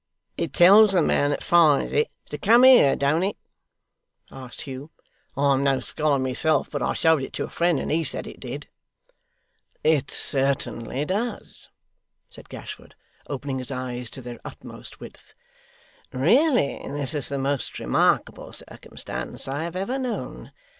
'It tells the man that finds it, to come here, don't it?' asked Hugh. 'I'm no scholar, myself, but I showed it to a friend, and he said it did.' 'It certainly does,' said Gashford, opening his eyes to their utmost width; 'really this is the most remarkable circumstance I have ever known.